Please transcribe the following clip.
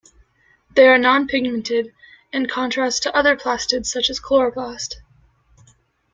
They are non-pigmented, in contrast to other plastids such as the chloroplast.